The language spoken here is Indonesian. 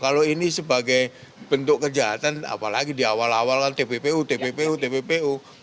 kalau ini sebagai bentuk kejahatan apalagi di awal awal kan tppu tppu tppu